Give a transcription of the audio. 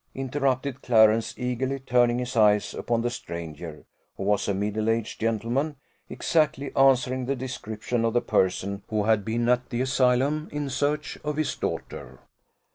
interrupted Clarence, eagerly turning his eyes upon the stranger, who was a middle aged gentleman, exactly answering the description of the person who had been at the Asylum in search of his daughter.